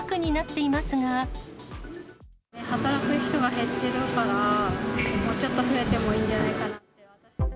働く人が減ってるから、もうちょっと増えてもいいんじゃないかなと。